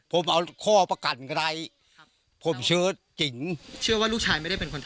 ผมเอาข้อประกันก็ได้ครับผมเชิดจิ๋งเชื่อว่าลูกชายไม่ได้เป็นคน